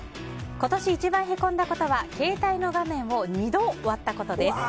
今年一番へこんだことは携帯の画面を２度割ったことです。